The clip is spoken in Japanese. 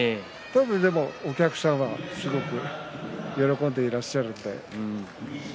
でもお客さんはすごく喜んでいらっしゃるみたいなので。